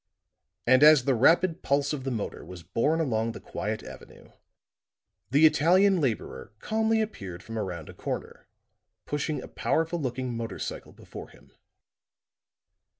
And as the rapid pulse of the motor was borne along the quiet avenue, the Italian laborer calmly appeared from around a corner, pushing a powerful looking motor cycle before him.